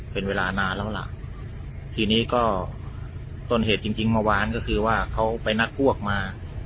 เป็นเวลานานแล้วล่ะทีนี้ก็ต้นเหตุจริงจริงเมื่อวานก็คือว่าเขาไปนัดพวกมา